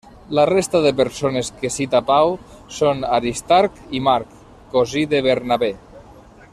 La resta de persones que cita Pau són Aristarc i Marc, cosí de Bernabé.